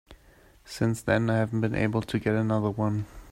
Since then I haven't been able to get another one.